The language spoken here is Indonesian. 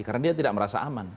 karena dia tidak merasa aman